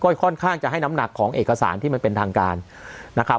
ก็ค่อนข้างจะให้น้ำหนักของเอกสารที่มันเป็นทางการนะครับ